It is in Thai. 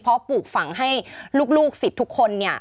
เพราะปลูกฝังให้ลูกสิทธิ์ทุกคน